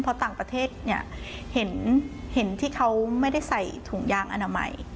เพราะต่างประเทศเนี่ยเห็นที่เขาไม่ได้ใส่ถุงยางอนามัย